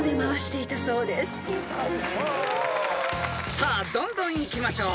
［さあどんどんいきましょう］